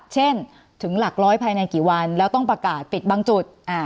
ถึงหลักร้อยภายในกี่วันแล้วต้องประกาศปิดบางจุด